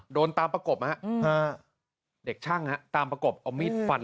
โดนตามประกบเด็กช่างตามประกบเอามีดฟัน